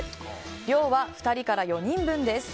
量は２人から４人分です。